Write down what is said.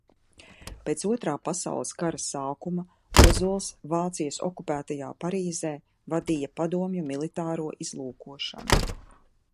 Pēc Otrā pasaules kara sākuma Ozols Vācijas okupētajā Parīzē vadīja padomju militāro izlūkošanu.